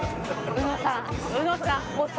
うのさん。